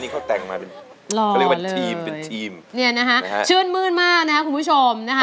เขาแต่งมาเป็นหล่อเลยชื่นมืดมากนะคะคุณผู้ชม